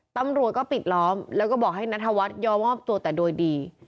ตำรวจก็ปิดล้อมแล้วก็บอกให้นัทวัฒน์ยอมมอบตัวแต่โดยดี